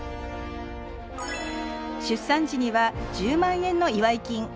出産時には１０万円の祝い金。